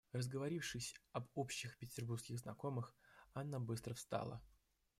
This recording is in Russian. Разговорившись об общих петербургских знакомых, Анна быстро встала.